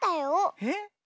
えっ？